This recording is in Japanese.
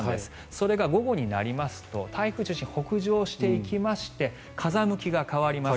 それが午後になりますと台風の中心が北上していきまして風向きが変わります。